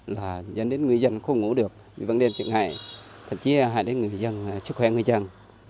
là dẫn đến người dân không ngủ được vì băng đêm trực hại thậm chí là hại đến người dân chức khỏe người dân